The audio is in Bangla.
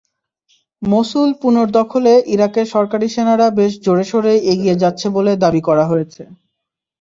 মসুল পুনর্দখলে ইরাকের সরকারি সেনারা বেশ জোরেশোরেই এগিয়ে যাচ্ছে বলে দাবি করা হয়েছে।